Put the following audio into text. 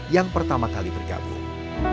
yang pertama kali bergabung